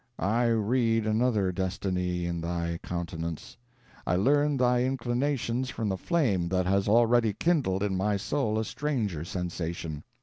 I read another destiny in thy countenance I learn thy inclinations from the flame that has already kindled in my soul a strange sensation.